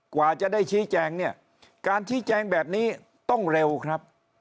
กว่าจะได้ชี้แจงเนี่ยการชี้แจงแบบนี้ต้องเร็วครับ